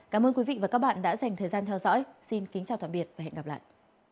cảm ơn các bạn đã theo dõi và hẹn gặp lại